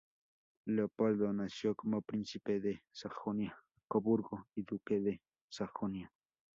Leopoldo nació como príncipe de Sajonia-Coburgo y duque de Sajonia.